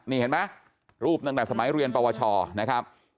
นี่เห็นไหมรูปตั้งแต่สมัยเรียนปวชนะครับ